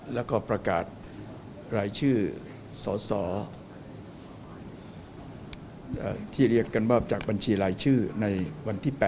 แล้วก็ประกาศรายชื่อสสที่เรียกกันมอบจากบัญชีรายชื่อในวันที่๘